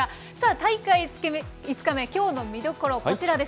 大会５日目、きょうの見どころ、こちらです。